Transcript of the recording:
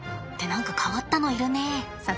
何か変わったのいるね。